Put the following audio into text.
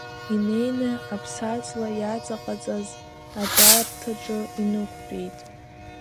Инеины аԥсаҵла иаҵаҟаҵаз атәарҭаҿы инықәтәеит.